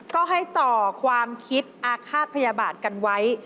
ก็ให้ต่อความคิดอาฆาตพยาบาทกันไว้